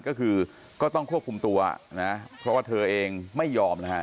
ก็คือก็ต้องควบคุมตัวนะเพราะว่าเธอเองไม่ยอมนะฮะ